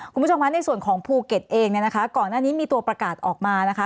คุณผู้ชมคะในส่วนของภูเก็ตเองเนี่ยนะคะก่อนหน้านี้มีตัวประกาศออกมานะคะ